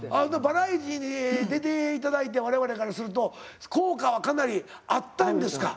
バラエティーに出て頂いて我々からすると効果はかなりあったんですか。